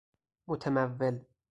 متمول